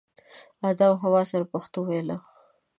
ادم حوا سره پښتو ویله